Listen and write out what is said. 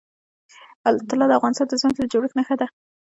طلا د افغانستان د ځمکې د جوړښت نښه ده.